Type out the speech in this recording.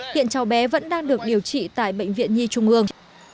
hiện cháu bé vẫn đang được điều trị tại bệnh viện nhi trung ương